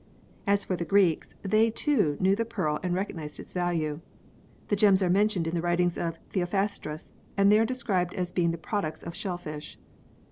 As for the Greeks, they too knew the pearl and recognised its value. The gems are mentioned in the writings of Theophrastus and they are described as being the products of shellfish.